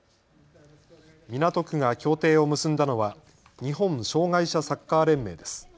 港区が協定を結んだのは日本障がい者サッカー連盟です。